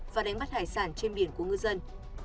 và đánh bắt hải sản trên biển của ngư dân